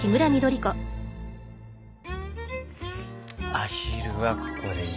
アヒルはここでいいかな。